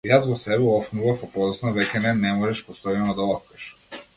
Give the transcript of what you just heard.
Јас во себе офнував, а подоцна веќе не, не можеш постојано да офкаш.